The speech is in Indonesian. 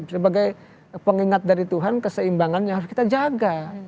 sebagai pengingat dari tuhan keseimbangannya harus kita jaga